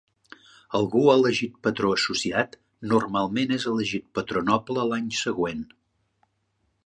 Algú elegit Patró associat, normalment és elegit Patró noble l'any següent.